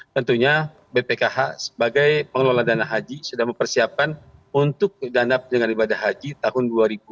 tentunya bpkh sebagai pengelola dana haji sudah mempersiapkan untuk dana penyelenggaraan ibadah haji tahun dua ribu dua puluh